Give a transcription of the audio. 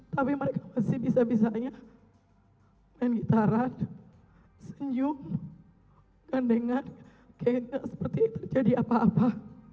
tapi mereka masih bisa bisanya main gitaran senyum dan dengar kayaknya seperti itu jadi apa apa